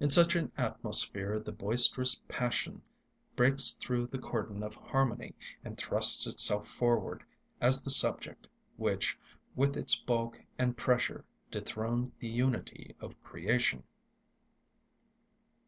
In such an atmosphere the boisterous passion breaks through the cordon of harmony and thrusts itself forward as the subject, which with its bulk and pressure dethrones the unity of creation.